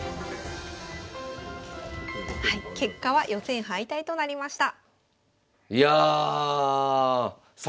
はい結果は予選敗退となりました。